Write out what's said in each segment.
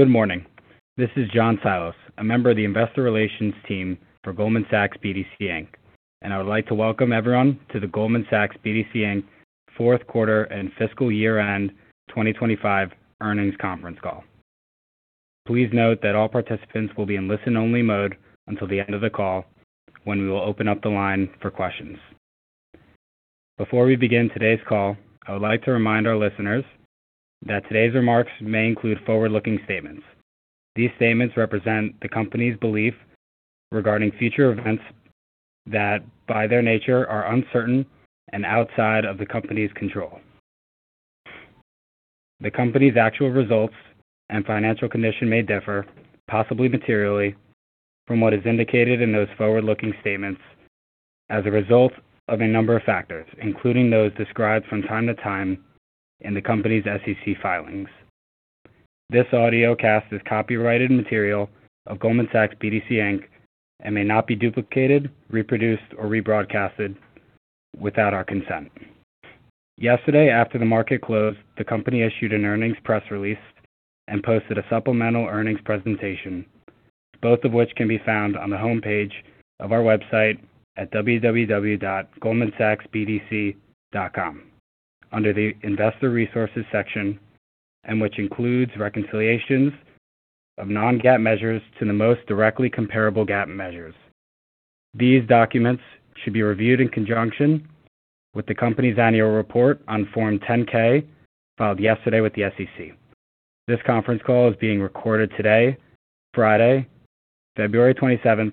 Good morning. This is John Silas, a member of the investor relations team for Goldman Sachs BDC, Inc, I would like to welcome everyone to the Goldman Sachs BDC, Inc fourth quarter and fiscal year-end 2025 earnings conference call. Please note that all participants will be in listen-only mode until the end of the call, when we will open up the line for questions. Before we begin today's call, I would like to remind our listeners that today's remarks may include forward-looking statements. These statements represent the company's belief regarding future events that, by their nature, are uncertain and outside of the company's control. The company's actual results and financial condition may differ, possibly materially, from what is indicated in those forward-looking statements as a result of a number of factors, including those described from time to time in the company's SEC filings. This audio cast is copyrighted material of Goldman Sachs BDC, Inc, and may not be duplicated, reproduced, or rebroadcasted without our consent. Yesterday, after the market closed, the company issued an earnings press release and posted a supplemental earnings presentation, both of which can be found on the homepage of our website at www.goldmansachsbdc.com under the Investor Resources section, and which includes reconciliations of non-GAAP measures to the most directly comparable GAAP measures. These documents should be reviewed in conjunction with the company's annual report on Form 10-K, filed yesterday with the SEC. This conference call is being recorded today, Friday, February 27,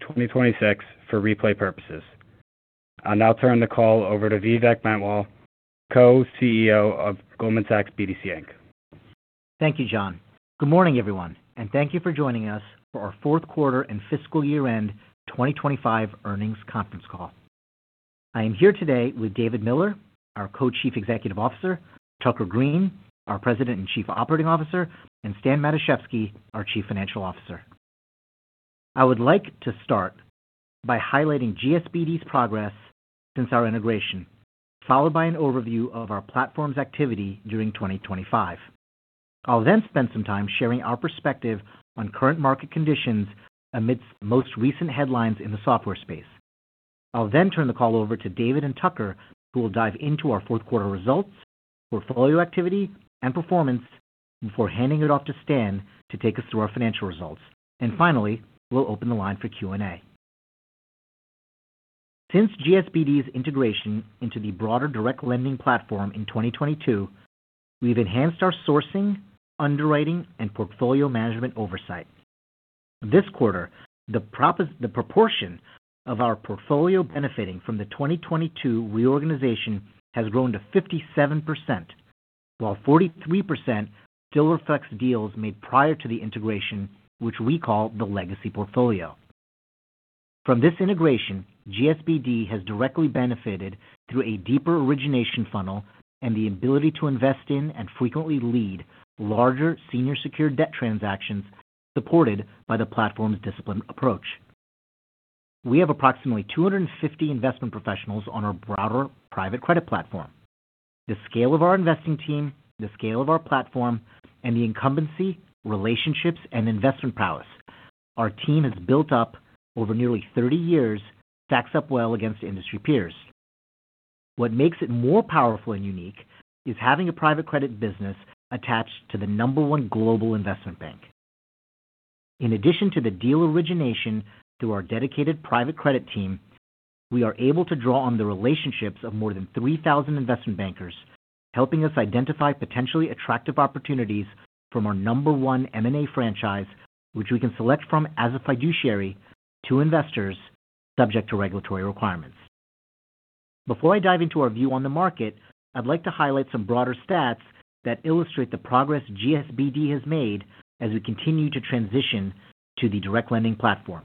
2026, for replay purposes. I'll now turn the call over to Vivek Bantwal, Co-CEO of Goldman Sachs BDC, Inc. Thank you, John. Good morning, everyone, and thank you for joining us for our fourth quarter and fiscal year-end 2025 earnings conference call. I am here today with David Miller, our Co-Chief Executive Officer, Tucker Greene, our President and Chief Operating Officer, and Stan Matuszewski, our Chief Financial Officer. I would like to start by highlighting GSBD's progress since our integration, followed by an overview of our platform's activity during 2025. I'll then spend some time sharing our perspective on current market conditions amidst the most recent headlines in the software space. I'll then turn the call over to David and Tucker, who will dive into our fourth quarter results, portfolio activity, and performance before handing it off to Stan to take us through our financial results. Finally, we'll open the line for Q&A. Since GSBD's integration into the broader Direct Lending platform in 2022, we've enhanced our sourcing, underwriting, and portfolio management oversight. This quarter, the proportion of our portfolio benefiting from the 2022 reorganization has grown to 57%, while 43% still reflects deals made prior to the integration, which we call the legacy portfolio. From this integration, GSBD has directly benefited through a deeper origination funnel and the ability to invest in and frequently lead larger senior secured debt transactions, supported by the platform's disciplined approach. We have approximately 250 investment professionals on our broader private credit platform. The scale of our investing team, the scale of our platform, and the incumbency, relationships, and investment prowess our team has built up over nearly 30 years stacks up well against industry peers. What makes it more powerful and unique is having a private credit business attached to the number one global investment bank. In addition to the deal origination through our dedicated private credit team, we are able to draw on the relationships of more than 3,000 investment bankers, helping us identify potentially attractive opportunities from our number one M&A franchise, which we can select from as a fiduciary to investors subject to regulatory requirements. Before I dive into our view on the market, I'd like to highlight some broader stats that illustrate the progress GSBD has made as we continue to transition to the Direct Lending platform.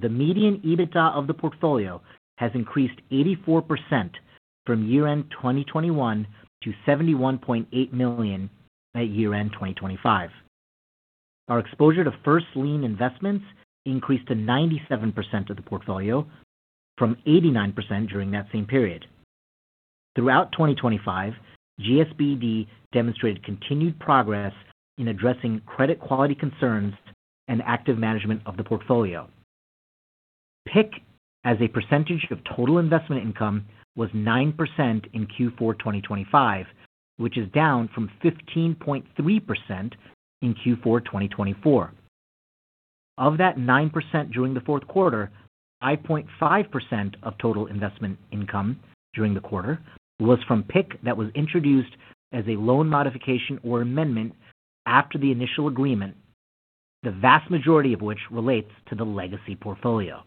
The median EBITDA of the portfolio has increased 84% from year-end 2021 to $71.8 million at year-end 2025. Our exposure to first lien investments increased to 97% of the portfolio from 89% during that same period. Throughout 2025, GSBD demonstrated continued progress in addressing credit quality concerns and active management of the portfolio. PIK, as a percentage of total investment income, was 9% in Q4 2025, which is down from 15.3% in Q4 2024. Of that 9% during the fourth quarter, 5.5% of total investment income during the quarter was from PIK that was introduced as a loan modification or amendment after the initial agreement, the vast majority of which relates to the legacy portfolio.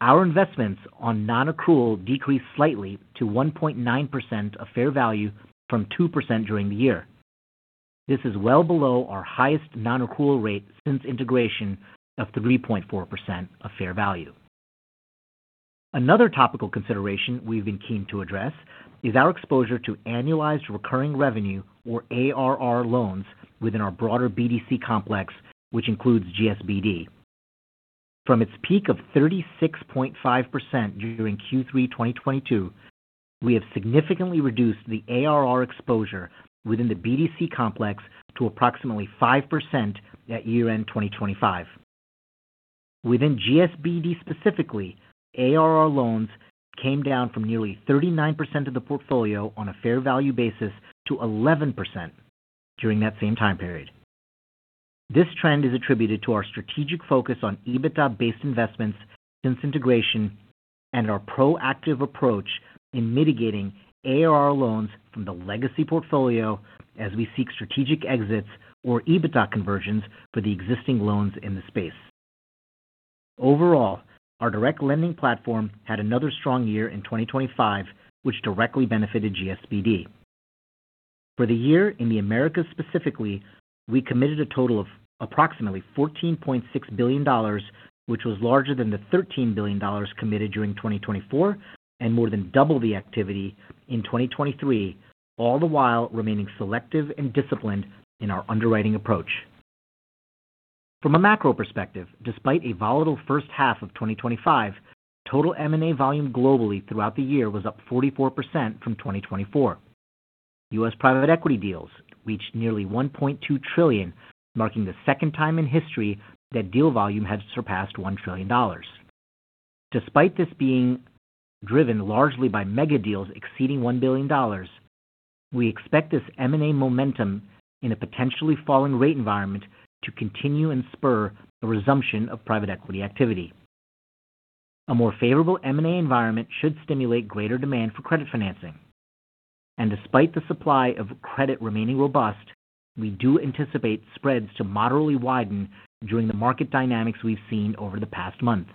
Our investments on non-accrual decreased slightly to 1.9% of fair value from 2% during the year. This is well below our highest non-accrual rate since integration of 3.4% of fair value. Another topical consideration we've been keen to address is our exposure to annualized recurring revenue, or ARR loans, within our broader BDC complex, which includes GSBD. From its peak of 36.5% during Q3 2022, we have significantly reduced the ARR exposure within the BDC complex to approximately 5% at year-end 2025. Within GSBD specifically, ARR loans came down from nearly 39% of the portfolio on a fair value basis to 11% during that same time period. This trend is attributed to our strategic focus on EBITDA-based investments since integration and our proactive approach in mitigating ARR loans from the legacy portfolio as we seek strategic exits or EBITDA conversions for the existing loans in the space. Overall, our Direct Lending platform had another strong year in 2025, which directly benefited GSBD. For the year in the Americas specifically, we committed a total of approximately $14.6 billion, which was larger than the $13 billion committed during 2024 and more than double the activity in 2023, all the while remaining selective and disciplined in our underwriting approach. From a macro perspective, despite a volatile first half of 2025, total M&A volume globally throughout the year was up 44% from 2024. U.S. private equity deals reached nearly $1.2 trillion, marking the second time in history that deal volume has surpassed $1 trillion. Despite this being driven largely by mega deals exceeding $1 billion, we expect this M&A momentum in a potentially falling rate environment to continue and spur a resumption of private equity activity. A more favorable M&A environment should stimulate greater demand for credit financing. Despite the supply of credit remaining robust, we do anticipate spreads to moderately widen during the market dynamics we've seen over the past month.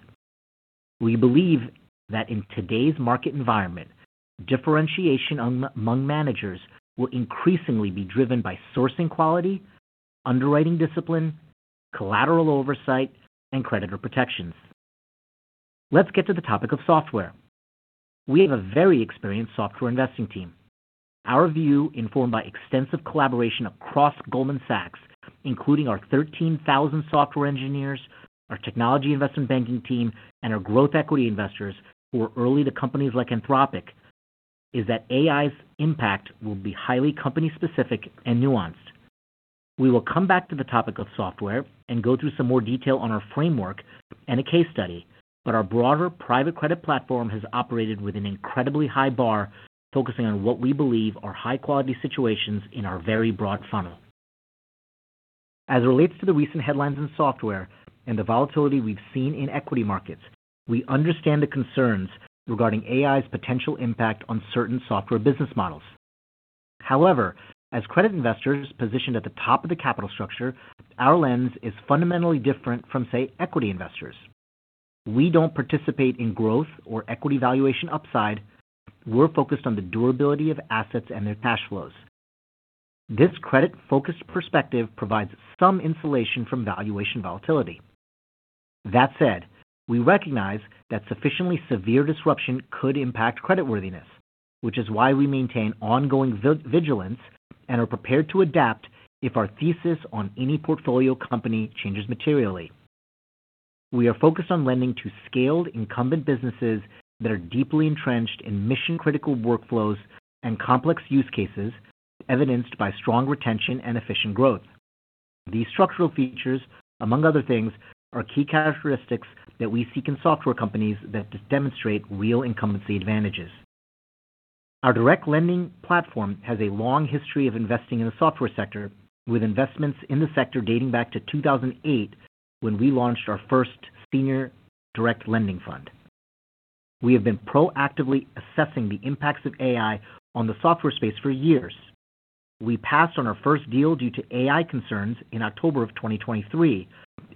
We believe that in today's market environment, differentiation among managers will increasingly be driven by sourcing quality, underwriting discipline, collateral oversight, and creditor protections. Let's get to the topic of software. We have a very experienced software investing team. Our view, informed by extensive collaboration across Goldman Sachs, including our 13,000 software engineers, our technology investment banking team, and our growth equity investors, who were early to companies like Anthropic, is that AI's impact will be highly company-specific and nuanced. We will come back to the topic of software and go through some more detail on our framework and a case study. Our broader private credit platform has operated with an incredibly high bar, focusing on what we believe are high-quality situations in our very broad funnel. As it relates to the recent headlines in software and the volatility we've seen in equity markets, we understand the concerns regarding AI's potential impact on certain software business models. As credit investors positioned at the top of the capital structure, our lens is fundamentally different from, say, equity investors. We don't participate in growth or equity valuation upside. We're focused on the durability of assets and their cash flows. This credit-focused perspective provides some insulation from valuation volatility. That said, we recognize that sufficiently severe disruption could impact creditworthiness, which is why we maintain ongoing vigilance and are prepared to adapt if our thesis on any portfolio company changes materially. We are focused on lending to scaled, incumbent businesses that are deeply entrenched in mission-critical workflows and complex use cases, evidenced by strong retention and efficient growth. These structural features, among other things, are key characteristics that we seek in software companies that demonstrate real incumbency advantages. Our Direct Lending platform has a long history of investing in the software sector, with investments in the sector dating back to 2008, when we launched our first senior direct lending fund. We have been proactively assessing the impacts of AI on the software space for years. We passed on our first deal due to AI concerns in October of 2023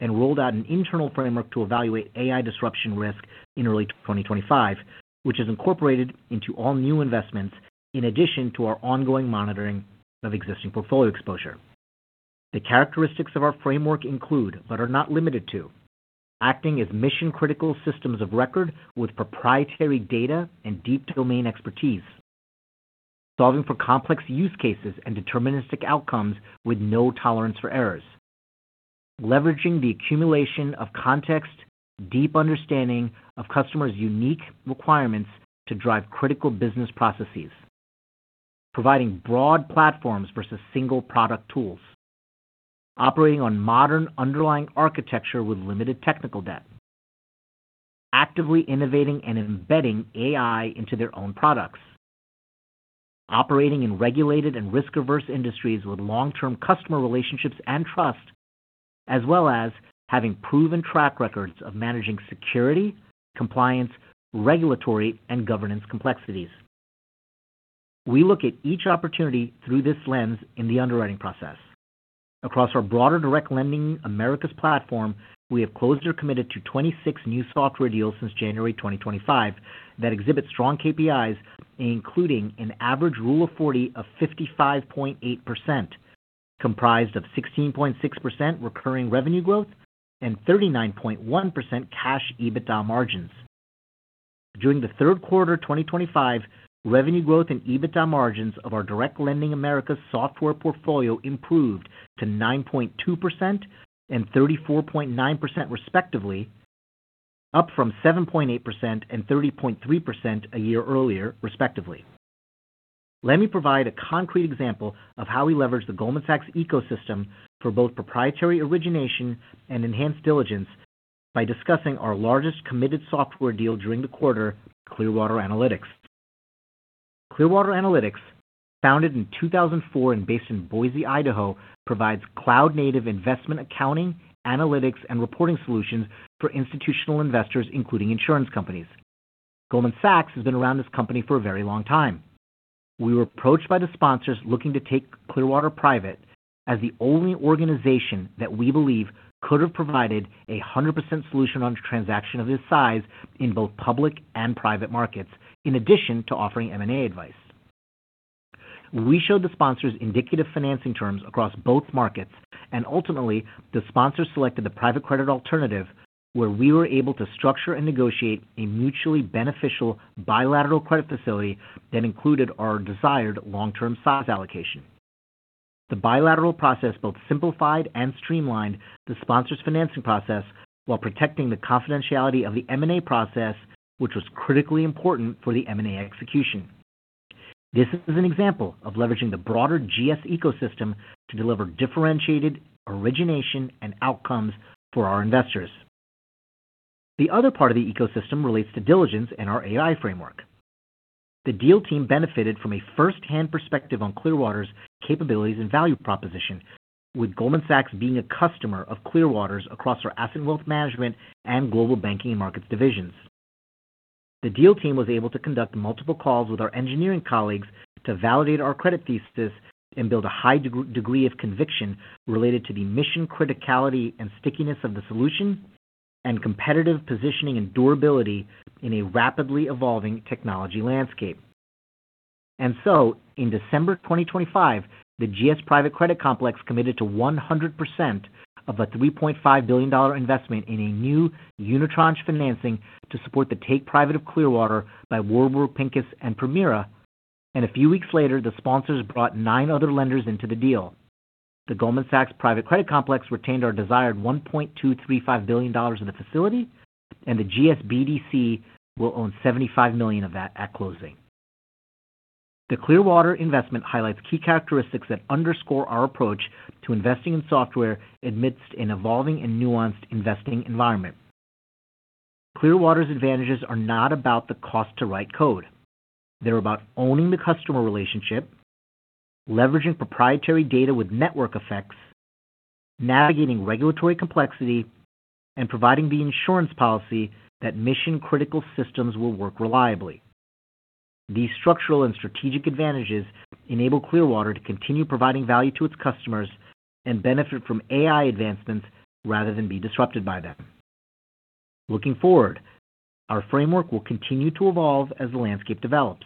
and rolled out an internal framework to evaluate AI disruption risk in early 2025, which is incorporated into all new investments, in addition to our ongoing monitoring of existing portfolio exposure. The characteristics of our framework include, but are not limited to: acting as mission-critical systems of record with proprietary data and deep domain expertise, solving for complex use cases and deterministic outcomes with no tolerance for errors, leveraging the accumulation of context, deep understanding of customers' unique requirements to drive critical business processes, providing broad platforms versus single product tools, operating on modern underlying architecture with limited technical debt, actively innovating and embedding AI into their own products, operating in regulated and risk-averse industries with long-term customer relationships and trust, as well as having proven track records of managing security, compliance, regulatory, and governance complexities. We look at each opportunity through this lens in the underwriting process. Across our broader Direct Lending Americas platform, we have closed or committed to 26 new software deals since January 2025 that exhibit strong KPIs, including an average Rule of 40 of 55.8%, comprised of 16.6% recurring revenue growth and 39.1% cash EBITDA margins. During the third quarter 2025, revenue growth and EBITDA margins of our Direct Lending Americas software portfolio improved to 9.2% and 34.9% respectively, up from 7.8% and 30.3% a year earlier, respectively. Let me provide a concrete example of how we leverage the Goldman Sachs ecosystem for both proprietary origination and enhanced diligence by discussing our largest committed software deal during the quarter, Clearwater Analytics. Clearwater Analytics, founded in 2004 and based in Boise, Idaho, provides cloud-native investment accounting, analytics, and reporting solutions for institutional investors, including insurance companies. Goldman Sachs has been around this company for a very long time. We were approached by the sponsors looking to take Clearwater private as the only organization that we believe could have provided a 100% solution on a transaction of this size in both public and private markets, in addition to offering M&A advice. We showed the sponsors indicative financing terms across both markets. Ultimately, the sponsors selected the private credit alternative, where we were able to structure and negotiate a mutually beneficial bilateral credit facility that included our desired long-term size allocation. The bilateral process both simplified and streamlined the sponsor's financing process while protecting the confidentiality of the M&A process, which was critically important for the M&A execution. This is an example of leveraging the broader GS ecosystem to deliver differentiated origination and outcomes for our investors. The other part of the ecosystem relates to diligence and our AI framework. The deal team benefited from a first-hand perspective on Clearwater's capabilities and value proposition, with Goldman Sachs being a customer of Clearwater's across our asset wealth management and global banking and markets divisions. The deal team was able to conduct multiple calls with our engineering colleagues to validate our credit thesis and build a high degree of conviction related to the mission criticality and stickiness of the solution and competitive positioning and durability in a rapidly evolving technology landscape. In December 2025, the GS Private Credit Complex committed to 100% of a $3.5 billion investment in a new unitranche financing to support the take private of Clearwater by Warburg Pincus and Permira, and a few weeks later, the sponsors brought 9 other lenders into the deal. The Goldman Sachs Private Credit Complex retained our desired $1.235 billion in the facility, and the GSBDC will own $75 million of that at closing. The Clearwater investment highlights key characteristics that underscore our approach to investing in software amidst an evolving and nuanced investing environment. Clearwater's advantages are not about the cost to write code. They're about owning the customer relationship, leveraging proprietary data with network effects, navigating regulatory complexity, and providing the insurance policy that mission-critical systems will work reliably. These structural and strategic advantages enable Clearwater to continue providing value to its customers and benefit from AI advancements rather than be disrupted by them. Looking forward, our framework will continue to evolve as the landscape develops.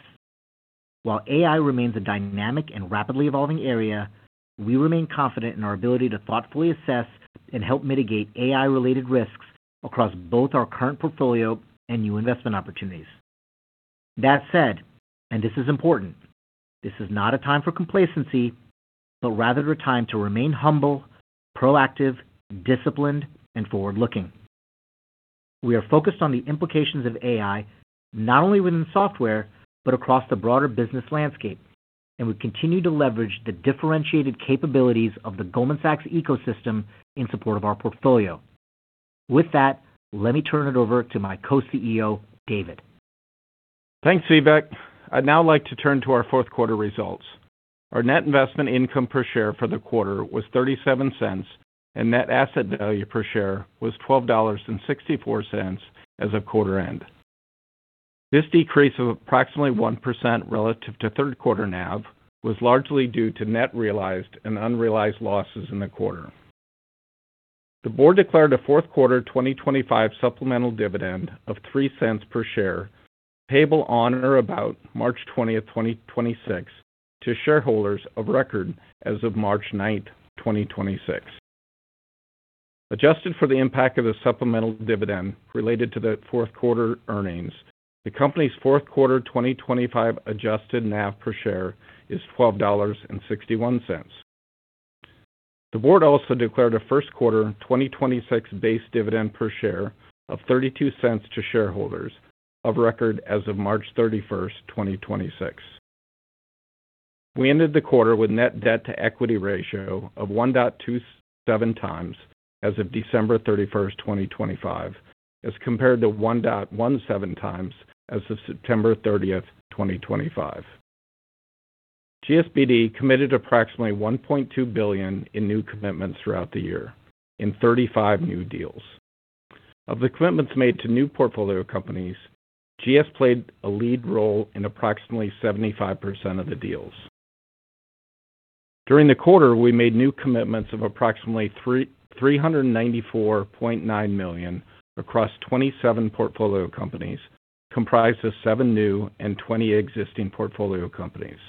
While AI remains a dynamic and rapidly evolving area, we remain confident in our ability to thoughtfully assess and help mitigate AI-related risks across both our current portfolio and new investment opportunities. That said, and this is important, this is not a time for complacency, but rather a time to remain humble, proactive, disciplined, and forward-looking. We are focused on the implications of AI, not only within software, but across the broader business landscape, and we continue to leverage the differentiated capabilities of the Goldman Sachs ecosystem in support of our portfolio. With that, let me turn it over to my co-CEO, David. Thanks, Vivek. I'd now like to turn to our fourth quarter results. Our net investment income per share for the quarter was $0.37, and net asset value per share was $12.64 as of quarter end. This decrease of approximately 1% relative to third quarter NAV was largely due to net realized and unrealized losses in the quarter. The board declared a fourth quarter 2025 supplemental dividend of $0.03 per share, payable on or about March 20th, 2026, to shareholders of record as of March 9th, 2026. Adjusted for the impact of the supplemental dividend related to the fourth quarter earnings, the company's fourth quarter 2025 adjusted NAV per share is $12.61. The board also declared a first quarter 2026 base dividend per share of $0.32 to shareholders of record as of March 31st, 2026. We ended the quarter with net debt-to-equity ratio of 1.27x as of December 31st, 2025, as compared to 1.17x as of September 30th, 2025. GSBD committed approximately $1.2 billion in new commitments throughout the year in 35 new deals. Of the commitments made to new portfolio companies, GS played a lead role in approximately 75% of the deals. During the quarter, we made new commitments of approximately $394.9 million across 27 portfolio companies, comprised of seven new and 20 existing portfolio companies.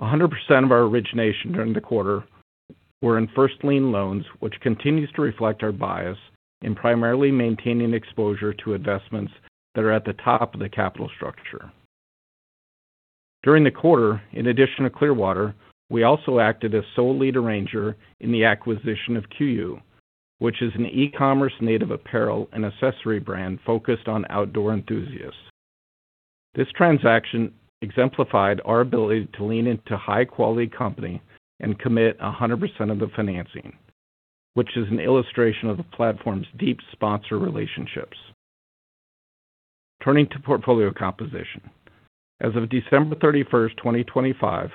100% of our origination during the quarter were in first lien loans, which continues to reflect our bias in primarily maintaining exposure to investments that are at the top of the capital structure. During the quarter, in addition to Clearwater, we also acted as sole lead arranger in the acquisition of KUIU, which is an e-commerce native apparel and accessory brand focused on outdoor enthusiasts. This transaction exemplified our ability to lean into high-quality company and commit 100% of the financing, which is an illustration of the platform's deep sponsor relationships. Turning to portfolio composition. As of December 31, 2025,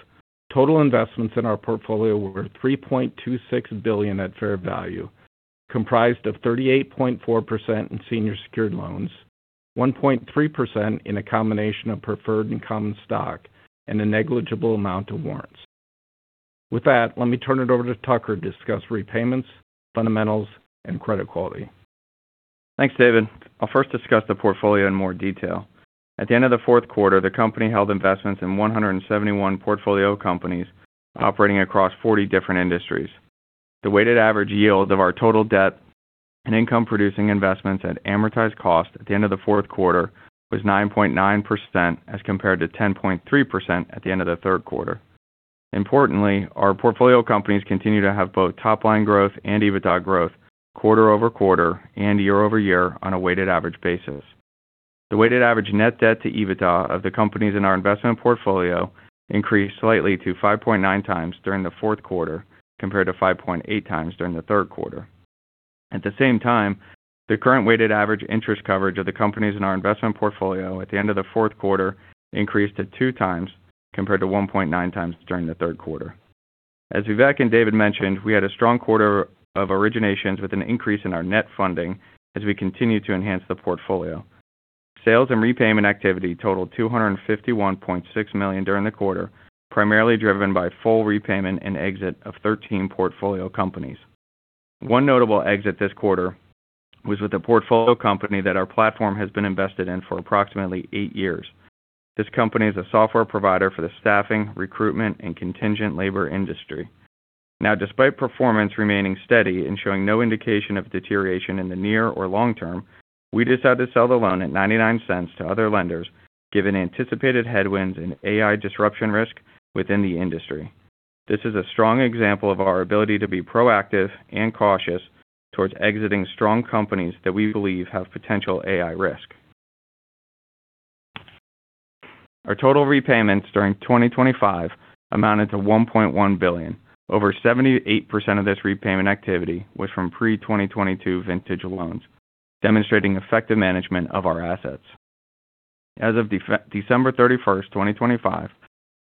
total investments in our portfolio were $3.26 billion at fair value, comprised of 38.4% in senior secured loans, 1.3% in a combination of preferred and common stock, and a negligible amount of warrants. With that, let me turn it over to Tucker to discuss repayments, fundamentals, and credit quality. Thanks, David. I'll first discuss the portfolio in more detail. At the end of the fourth quarter, the company held investments in 171 portfolio companies operating across 40 different industries. The weighted average yield of our total debt and income producing investments at amortized cost at the end of the fourth quarter was 9.9%, as compared to 10.3% at the end of the third quarter. Importantly, our portfolio companies continue to have both top-line growth and EBITDA growth quarter-over-quarter and year-over-year on a weighted average basis. The weighted average net debt to EBITDA of the companies in our investment portfolio increased slightly to 5.9x during the fourth quarter, compared to 5.8x during the third quarter. At the same time, the current weighted average interest coverage of the companies in our investment portfolio at the end of the fourth quarter increased to 2x compared to 1.9x during the third quarter. As Vivek and David mentioned, we had a strong quarter of originations with an increase in our net funding as we continue to enhance the portfolio. Sales and repayment activity totaled $251.6 million during the quarter, primarily driven by full repayment and exit of 13 portfolio companies. One notable exit this quarter was with a portfolio company that our platform has been invested in for approximately eight years. This company is a software provider for the staffing, recruitment, and contingent labor industry. Despite performance remaining steady and showing no indication of deterioration in the near or long term, we decided to sell the loan at $0.99 to other lenders, given anticipated headwinds and AI disruption risk within the industry. This is a strong example of our ability to be proactive and cautious towards exiting strong companies that we believe have potential AI risk. Our total repayments during 2025 amounted to $1.1 billion. Over 78% of this repayment activity was from pre-2022 vintage loans, demonstrating effective management of our assets. As of December 31st, 2025,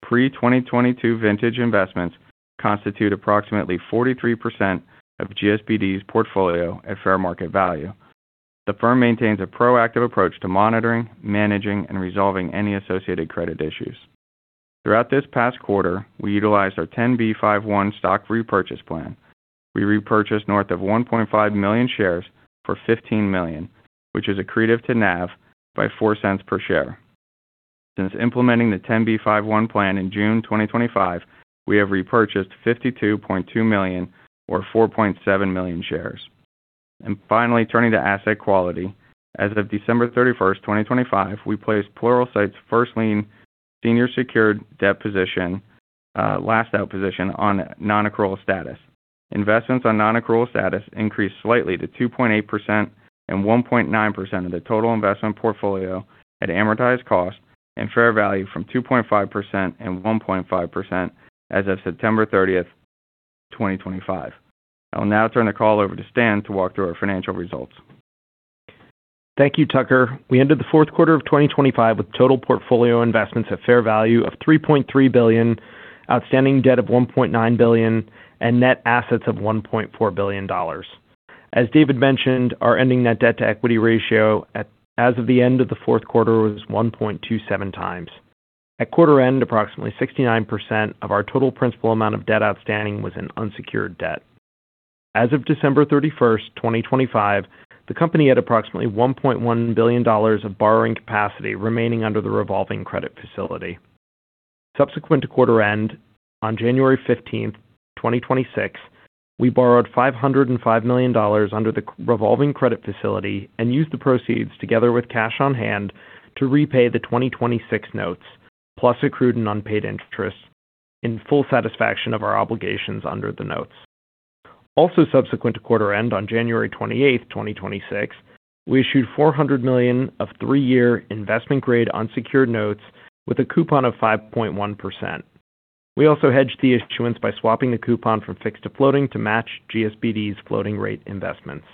pre-2022 vintage investments constitute approximately 43% of GSBD's portfolio at fair market value. The firm maintains a proactive approach to monitoring, managing, and resolving any associated credit issues. Throughout this past quarter, we utilized our 10b5-1 stock repurchase plan. We repurchased north of 1.5 million shares for $15 million, which is accretive to NAV by $0.04 per share. Since implementing the 10b5-1 plan in June 2025, we have repurchased $52.2 million or 4.7 million shares. Finally, turning to asset quality. As of December 31st, 2025, we placed Pluralsight's first lien, senior secured debt position, last out position on non-accrual status. Investments on non-accrual status increased slightly to 2.8% and 1.9% of the total investment portfolio at amortized cost and fair value from 2.5% and 1.5% as of September 30th, 2025. I'll now turn the call over to Stan to walk through our financial results. Thank you, Tucker. We ended the fourth quarter of 2025 with total portfolio investments at fair value of $3.3 billion, outstanding debt of $1.9 billion, and net assets of $1.4 billion. As David mentioned, our ending net debt to equity ratio as of the end of the fourth quarter was 1.27x. At quarter end, approximately 69% of our total principal amount of debt outstanding was in unsecured debt. As of December 31st, 2025, the company had approximately $1.1 billion of borrowing capacity remaining under the revolving credit facility. Subsequent to quarter end, on January 15th, 2026, we borrowed $505 million under the revolving credit facility and used the proceeds, together with cash on hand, to repay the 2026 notes, plus accrued and unpaid interest in full satisfaction of our obligations under the notes. Subsequent to quarter end, on January 28th, 2026, we issued $400 million of three-year investment grade unsecured notes with a coupon of 5.1%. We also hedged the issuance by swapping the coupon from fixed to floating to match GSBD's floating rate investments.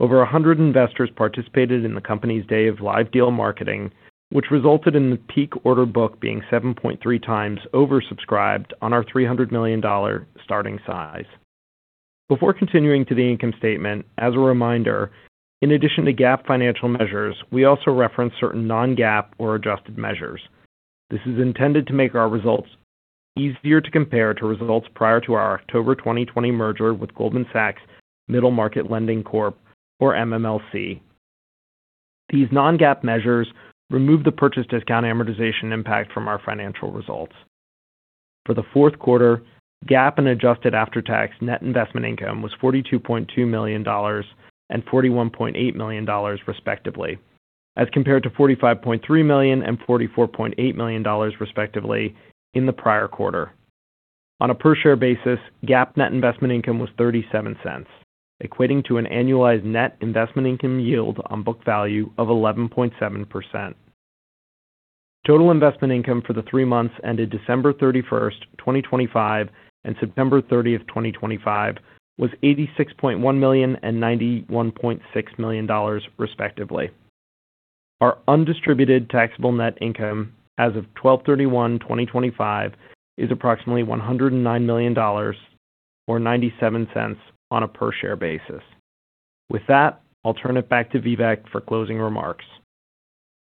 Over 100 investors participated in the company's day of live deal marketing, which resulted in the peak order book being 7.3x oversubscribed on our $300 million starting size. Before continuing to the income statement, as a reminder, in addition to GAAP financial measures, we also reference certain non-GAAP or adjusted measures. This is intended to make our results easier to compare to results prior to our October 2020 merger with Goldman Sachs Middle Market Lending Corp, or MMLC. These non-GAAP measures remove the purchase discount amortization impact from our financial results. For the fourth quarter, GAAP and adjusted after-tax net investment income was $42.2 million and $41.8 million, respectively, as compared to $45.3 million and $44.8 million, respectively, in the prior quarter. On a per share basis, GAAP net investment income was $0.37, equating to an annualized net investment income yield on book value of 11.7%. Total investment income for the three months ended December thirty-first, 2025, and September 30th, 2025, was $86.1 million and $91.6 million, respectively. Our undistributed taxable net income as of 12/31/2025, is approximately $109 million, or $0.97 on a per share basis. With that, I'll turn it back to Vivek for closing remarks.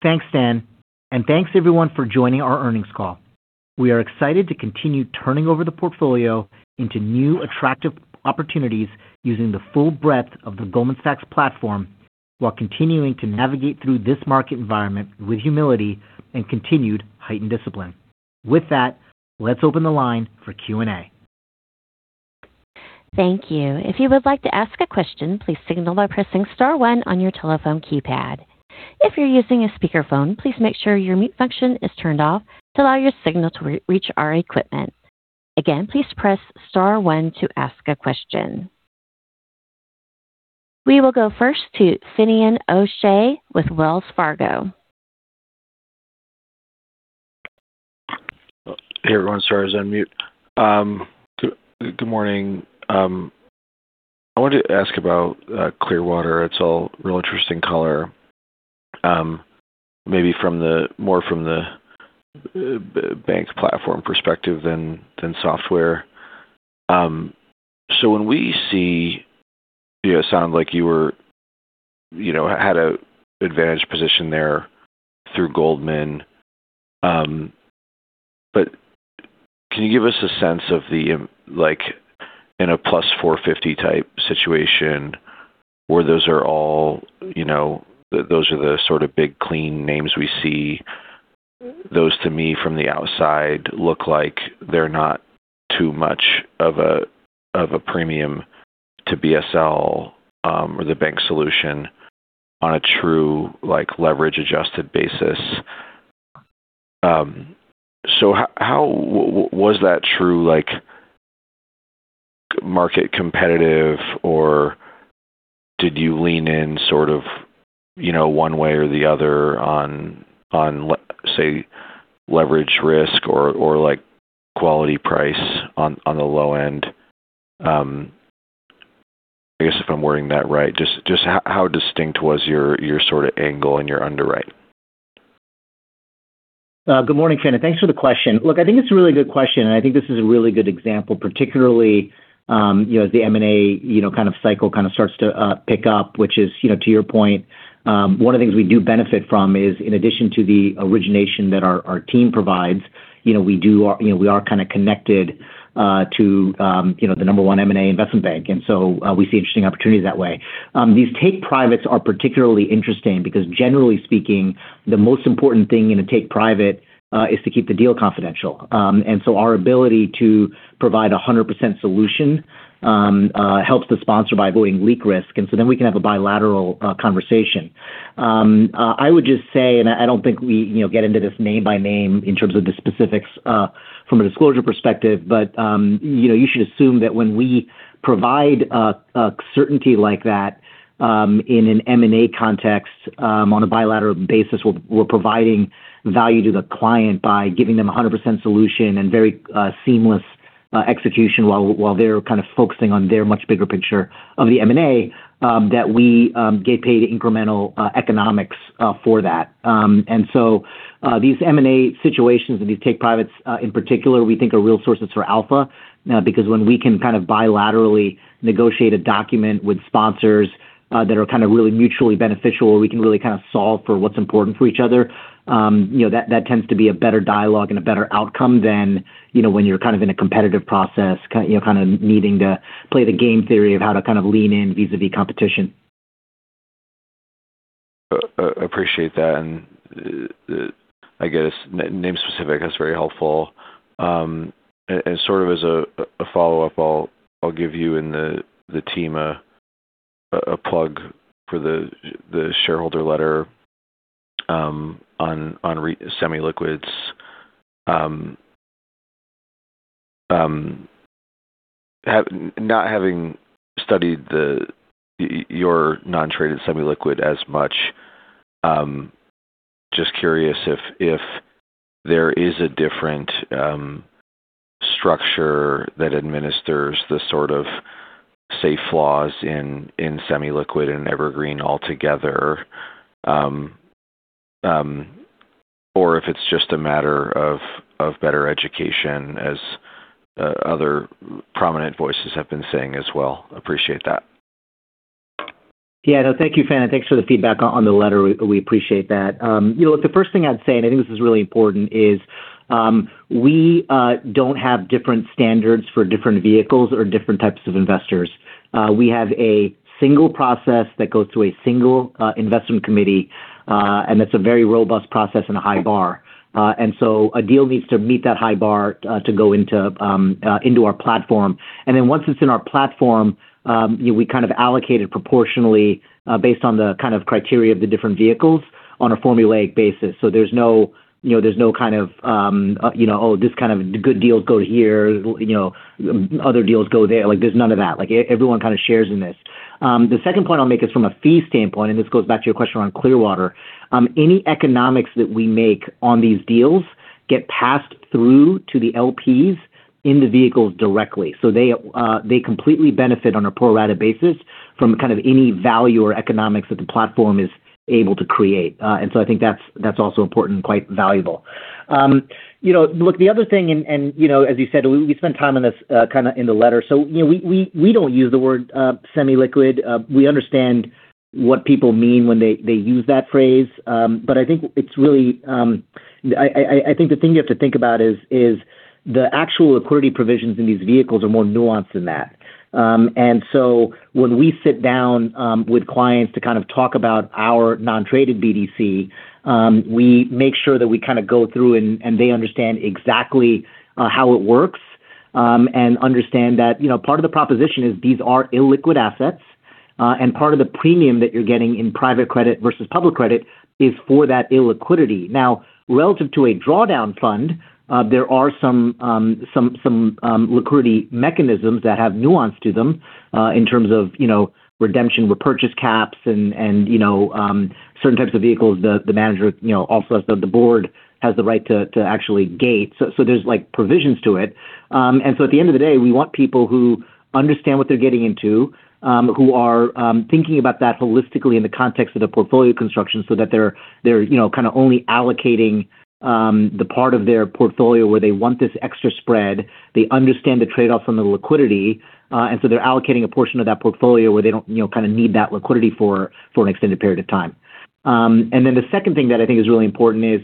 Thanks, Dan, and thanks everyone for joining our earnings call. We are excited to continue turning over the portfolio into new, attractive opportunities using the full breadth of the Goldman Sachs platform, while continuing to navigate through this market environment with humility and continued heightened discipline. With that, let's open the line for Q&A. Thank you. If you would like to ask a question, please signal by pressing star one on your telephone keypad. If you're using a speakerphone, please make sure your mute function is turned off to allow your signal to re-reach our equipment. Again, please press star one to ask a question. We will go first to Finian O'Shea with Wells Fargo. Hey, everyone. Sorry, I was on mute. Good morning. I wanted to ask about Clearwater. It's all real interesting color, more from the bank platform perspective than software. When we see... You know, sound like you were, you know, had a advantage position there through Goldman. Can you give us a sense of the, like in a +450 type situation where those are all, you know, those are the sort of big, clean names we see. Those to me, from the outside, look like they're not too much of a, of a premium to BSL, or the bank solution on a true, like, leverage-adjusted basis. How was that true, like, market competitive, or did you lean in sort of, you know, one way or the other on, say, leverage risk or like, quality price on the low end? I guess if I'm wording that right, just how distinct was your sort of angle and your underwrite? Good morning, Finian. Thanks for the question. Look, I think it's a really good question, and I think this is a really good example, particularly, you know, as the M&A, you know, kind of cycle kind of starts to pick up, which is, you know, to your point. One of the things we do benefit from is, in addition to the origination that our team provides, you know, we are kind of connected to, you know, the number one M&A investment bank, and so, we see interesting opportunities that way. These take privates are particularly interesting because generally speaking, the most important thing in a take private is to keep the deal confidential. Our ability to provide a 100% solution helps the sponsor by avoiding leak risk, then we can have a bilateral conversation. I would just say, and I don't think we, you know, get into this name by name in terms of the specifics from a disclosure perspective, you know, you should assume that when we provide a certainty like that in an M&A context on a bilateral basis, we're providing value to the client by giving them a 100% solution and very seamless execution while they're kind of focusing on their much bigger picture of the M&A, that we get paid incremental economics for that. These M&A situations and these take privates, in particular, we think are real sources for alpha, because when we can kind of bilaterally negotiate a document with sponsors, that are kind of really mutually beneficial, we can really kind of solve for what's important for each other. You know, that tends to be a better dialogue and a better outcome than, you know, when you're kind of in a competitive process, you know, kind of needing to play the game theory of how to kind of lean in vis-a-vis competition. Appreciate that, I guess, name specific, that's very helpful. Sort of as a follow-up, I'll give you and the team a plug for the shareholder letter, on semi-liquids. Not having studied the, your non-traded semi-liquid as much, just curious if there is a different, structure that administers the sort of safe laws in semi-liquid and evergreen altogether, or if it's just a matter of better education, as other prominent voices have been saying as well. Appreciate that. Yeah. No, thank you, Finian, and thanks for the feedback on the letter. We appreciate that. You know, look, the first thing I'd say, and I think this is really important, is... We don't have different standards for different vehicles or different types of investors. We have a single process that goes to a single investment committee, and it's a very robust process and a high bar. A deal needs to meet that high bar to go into our platform. Then once it's in our platform, we kind of allocate it proportionally, based on the kind of criteria of the different vehicles on a formulaic basis. There's no, you know, there's no kind of, you know, oh, this kind of good deals go here, you know, other deals go there. Like, there's none of that. Like, everyone kind of shares in this. The second point I'll make is from a fee standpoint, and this goes back to your question on Clearwater. Any economics that we make on these deals get passed through to the LPs in the vehicles directly, so they completely benefit on a pro rata basis from kind of any value or economics that the platform is able to create. I think that's also important and quite valuable. You know, look, the other thing and, you know, as you said, we spent time on this kind of in the letter. You know, we don't use the word semi-liquid. We understand what people mean when they use that phrase. I think it's really. I think the thing you have to think about is the actual liquidity provisions in these vehicles are more nuanced than that. When we sit down with clients to kind of talk about our non-traded BDC, we make sure that we kind of go through and they understand exactly how it works and understand that, you know, part of the proposition is these are illiquid assets and part of the premium that you're getting in private credit versus public credit is for that illiquidity. Relative to a drawdown fund, there are some liquidity mechanisms that have nuance to them in terms of, you know, redemption, repurchase caps and, you know, certain types of vehicles the manager, you know, also the board has the right to actually gate. There's, like, provisions to it. At the end of the day, we want people who understand what they're getting into, who are thinking about that holistically in the context of the portfolio construction, so that they're, you know, kind of only allocating the part of their portfolio where they want this extra spread. They understand the trade-offs on the liquidity, and so they're allocating a portion of that portfolio where they don't, you know, kind of need that liquidity for an extended period of time. Then the second thing that I think is really important is,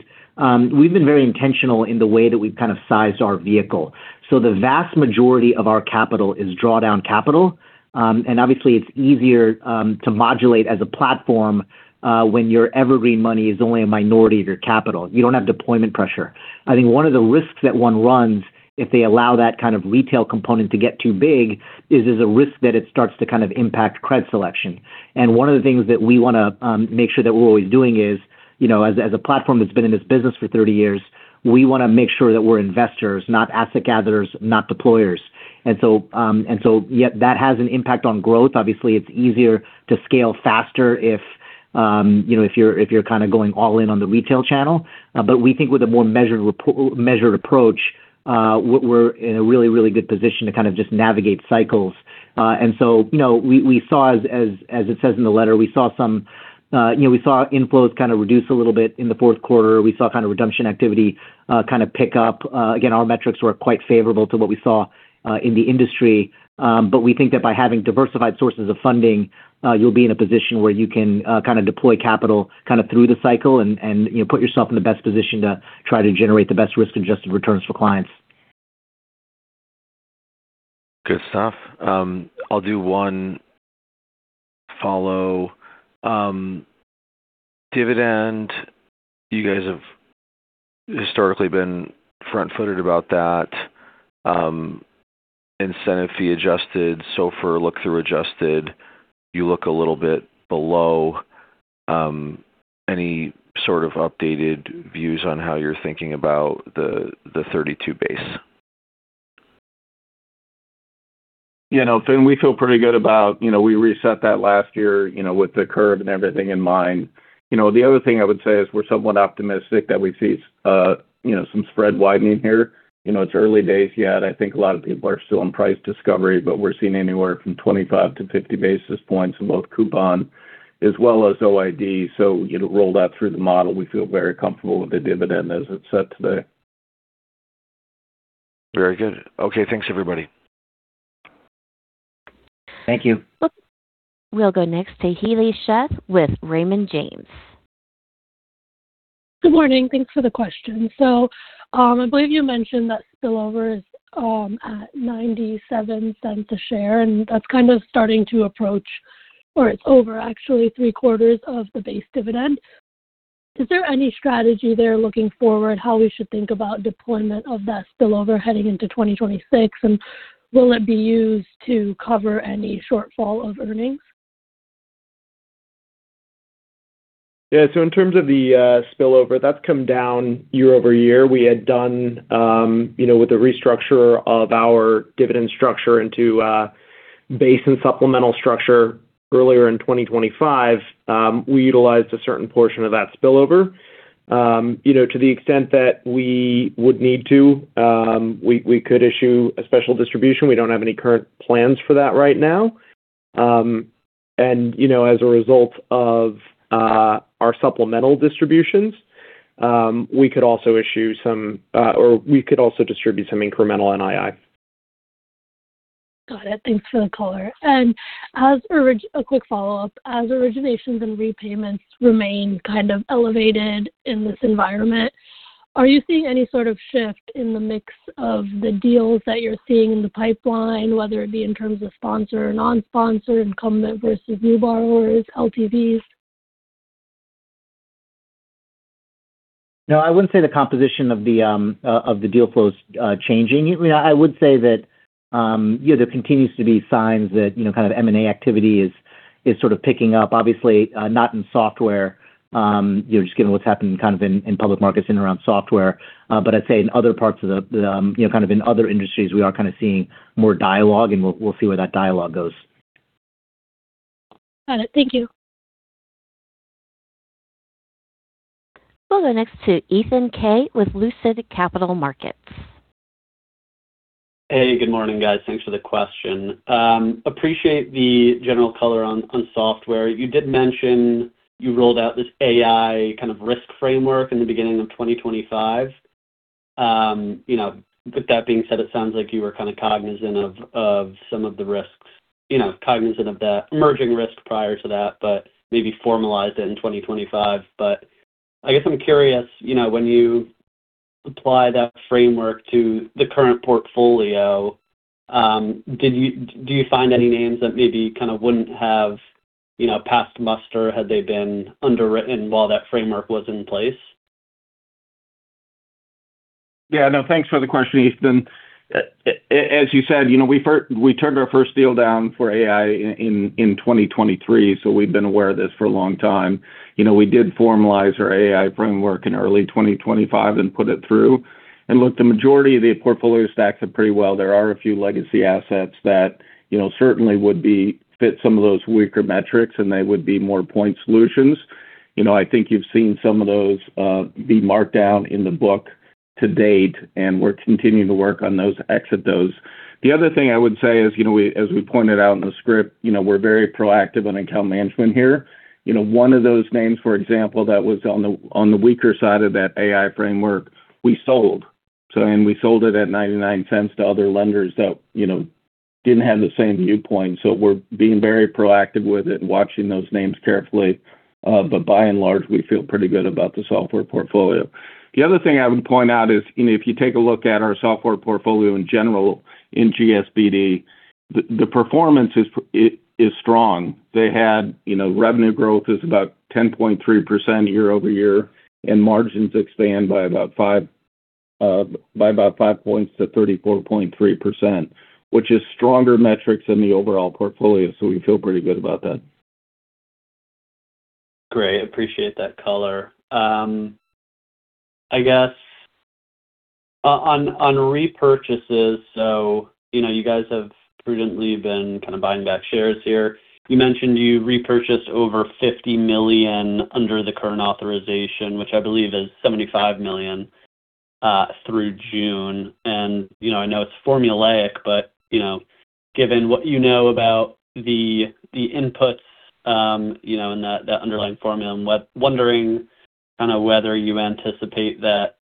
we've been very intentional in the way that we've kind of sized our vehicle. The vast majority of our capital is drawdown capital. Obviously, it's easier to modulate as a platform when your evergreen money is only a minority of your capital. You don't have deployment pressure. I think one of the risks that one runs if they allow that kind of retail component to get too big, is there's a risk that it starts to kind of impact credit selection. One of the things that we wanna make sure that we're always doing is, you know, as a platform that's been in this business for 30 years, we wanna make sure that we're investors, not asset gatherers, not deployers. So, yeah, that has an impact on growth. Obviously, it's easier to scale faster if, you know, if you're, if you're kind of going all in on the retail channel. We think with a more measured approach, we're in a really, really good position to kind of just navigate cycles. So, you know, we saw as it says in the letter, we saw some, you know, we saw inflows kind of reduce a little bit in the fourth quarter. We saw kind of redemption activity, kind of pick up. Again, our metrics were quite favorable to what we saw, in the industry. We think that by having diversified sources of funding, you'll be in a position where you can, kind of deploy capital kind of through the cycle and, you know, put yourself in the best position to try to generate the best risk-adjusted returns for clients. Good stuff. I'll do one follow. Dividend, you guys have historically been front-footed about that. Incentive fee adjusted, SOFR, look-through adjusted, you look a little bit below. Any sort of updated views on how you're thinking about the 32 base? You know, Finn, we feel pretty good about... You know, we reset that last year, you know, with the curve and everything in mind. You know, the other thing I would say is we're somewhat optimistic that we see, you know, some spread widening here. You know, it's early days yet. I think a lot of people are still in price discovery, but we're seeing anywhere from 25-50 basis points in both coupon as well as OID. You know, rolled out through the model, we feel very comfortable with the dividend as it's set today. Very good. Okay, thanks, everybody. Thank you. We'll go next to Heli Sheth with Raymond James. Good morning. Thanks for the question. I believe you mentioned that spillover is at $0.97 a share, and that's kind of starting to approach, or it's over actually three-quarters of the base dividend. Is there any strategy there looking forward, how we should think about deployment of that spillover heading into 2026, and will it be used to cover any shortfall of earnings? Yeah. In terms of the spillover, that's come down year-over-year. We had done, you know, with the restructure of our dividend structure into base and supplemental structure earlier in 2025, we utilized a certain portion of that spillover. You know, to the extent that we would need to, we could issue a special distribution. We don't have any current plans for that right now. You know, as a result of our supplemental distributions, we could also issue some or we could also distribute some incremental NII. Got it. Thanks for the color. As a quick follow-up, as originations and repayments remain kind of elevated in this environment, are you seeing any sort of shift in the mix of the deals that you're seeing in the pipeline, whether it be in terms of sponsor or non-sponsor, incumbent versus new borrowers, LTVs? No, I wouldn't say the composition of the deal flow is changing. I mean, I would say that, you know, there continues to be signs that, you know, kind of M&A activity is sort of picking up. Obviously, not in software, you know, just given what's happened kind of in public markets in and around software. I'd say in other parts of the, you know, kind of in other industries, we are kind of seeing more dialogue, and we'll see where that dialogue goes. Got it. Thank you. We'll go next to Ethan Kaye with Lucid Capital Markets. Hey, good morning, guys. Thanks for the question. Appreciate the general color on software. You did mention you rolled out this AI kind of risk framework in the beginning of 2025. You know, with that being said, it sounds like you were kind of cognizant of some of the risks, you know, cognizant of the emerging risk prior to that, but maybe formalized it in 2025. I guess I'm curious, you know, when you apply that framework to the current portfolio, do you find any names that maybe kind of wouldn't have, you know, passed muster, had they been underwritten while that framework was in place? Yeah. No, thanks for the question, Ethan. As you said, you know, we turned our first deal down for AI in 2023, so we've been aware of this for a long time. You know, we did formalize our AI framework in early 2025 and put it through. Look, the majority of the portfolio stacks up pretty well. There are a few legacy assets that, you know, certainly would be, fit some of those weaker metrics, and they would be more point solutions. You know, I think you've seen some of those be marked down in the book to date, and we're continuing to work on those, exit those. The other thing I would say is, you know, we, as we pointed out in the script, you know, we're very proactive on account management here. You know, one of those names, for example, that was on the weaker side of that AI framework, we sold. We sold it at $0.99 to other lenders that, you know, didn't have the same viewpoint. We're being very proactive with it and watching those names carefully. By and large, we feel pretty good about the software portfolio. The other thing I would point out is, you know, if you take a look at our software portfolio in general, in GSBD, the performance is strong. They had, you know, revenue growth is about 10.3% year-over-year, margins expand by about five points to 34.3%, which is stronger metrics than the overall portfolio. We feel pretty good about that. Great. Appreciate that color. I guess on repurchases, so, you know, you guys have prudently been kind of buying back shares here. You mentioned you repurchased over $50 million under the current authorization, which I believe is $75 million through June. You know, I know it's formulaic, but, you know, given what you know about the inputs, you know, and the underlying formula, I'm wondering kind of whether you anticipate that,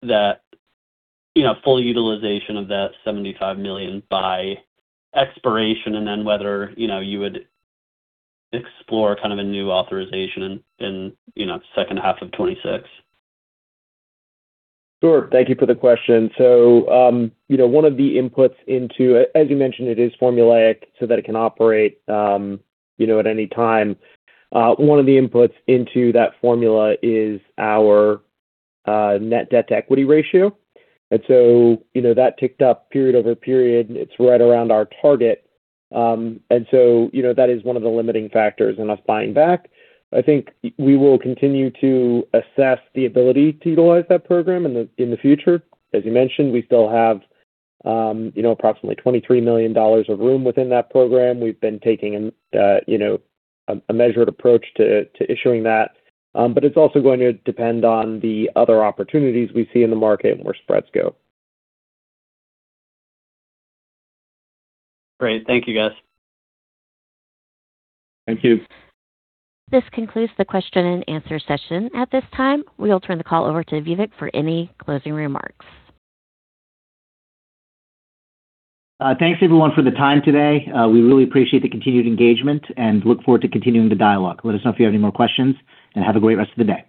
you know, full utilization of that $75 million by expiration, and then whether, you know, you would explore kind of a new authorization in, you know, second half of 2026. Sure. Thank you for the question. You know, one of the inputs into... As you mentioned, it is formulaic so that it can operate, you know, at any time. One of the inputs into that formula is our net debt-to-equity ratio. You know, that ticked up period over period. It's right around our target. You know, that is one of the limiting factors in us buying back. I think we will continue to assess the ability to utilize that program in the future. As you mentioned, we still have, you know, approximately $23 million of room within that program. We've been taking, you know, a measured approach to issuing that, but it's also going to depend on the other opportunities we see in the market and where spreads go. Great. Thank you, guys. Thank you. This concludes the question and answer session. At this time, we will turn the call over to Vivek for any closing remarks. Thanks, everyone, for the time today. We really appreciate the continued engagement and look forward to continuing the dialogue. Let us know if you have any more questions. Have a great rest of the day.